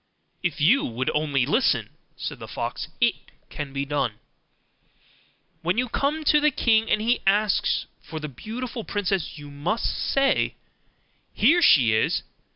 'If you will only listen,' said the fox, 'it can be done. When you come to the king, and he asks for the beautiful princess, you must say, "Here she is!"